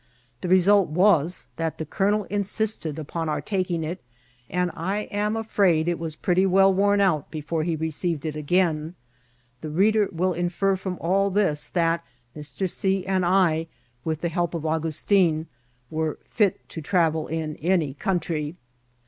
The result Ifras, that the colonel insisted upon our taking it, and I am afraid it was pretty well worn out before he receiv ed it again. The reader will infer from all this that Mr. C. and I, with the help of Augustin, were fit to travel in any country.